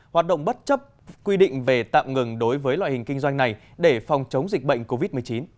hoạt động bất chấp quy định về tạm ngừng đối với loại hình kinh doanh này để phòng chống dịch bệnh covid một mươi chín